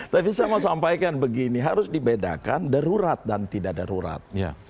tapi saya mau sampaikan begini harus dibedakan darurat dan tidak darurat